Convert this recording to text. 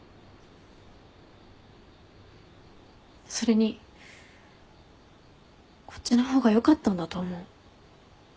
それにこっちの方がよかったんだと思う。